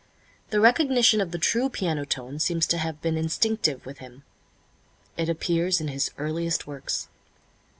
The recognition of the true piano tone seems to have been instinctive with him. It appears in his earliest works.